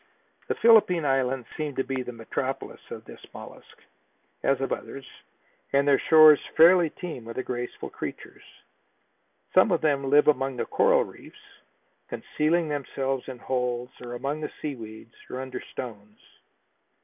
The Philippine Islands seem to be the metropolis of this mollusk, as of others, and their shores fairly teem with the graceful creatures. Some of them live among the coral reefs, concealing themselves in holes or among the sea weeds or under stones.